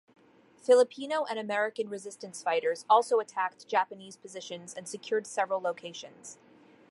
Filipino and American resistance fighters also attacked Japanese positions and secured several locations.